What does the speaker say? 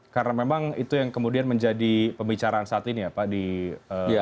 karena memang itu yang kemudian menjadi pembicaraan saat ini ya pak di masyarakat